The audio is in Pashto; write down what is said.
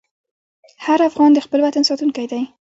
هر افغان د خپل وطن ساتونکی دی.